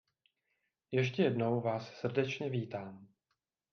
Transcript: Ještě jednou vás srdečně vítám.